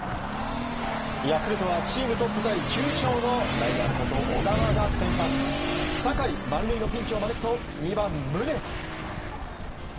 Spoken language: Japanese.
ヤクルトはチームトップタイ９勝のライアンこと小川が先発、３回満塁のピンチを招くと２番、宗。